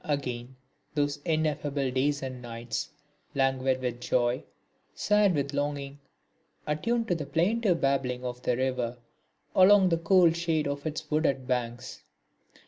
Again those ineffable days and nights, languid with joy, sad with longing, attuned to the plaintive babbling of the river along the cool shade of its wooded banks.